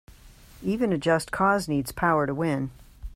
Even a just cause needs power to win.